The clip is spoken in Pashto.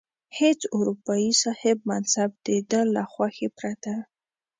هیڅ اروپايي صاحب منصب د ده له خوښې پرته.